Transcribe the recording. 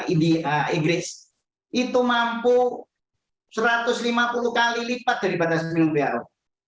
india inggris itu mampu satu ratus lima puluh kali lipat dari batas minimum who